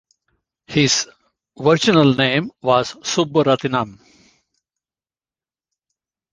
His original name was Subburathinam.